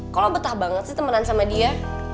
kok lo betah banget sih temenan sama dia